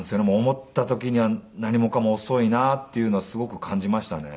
思った時には何もかも遅いなっていうのはすごく感じましたね。